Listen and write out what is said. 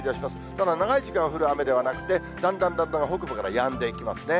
ただ、長い時間、降る雨ではなくて、だんだんだんだん北部からやんでいきますね。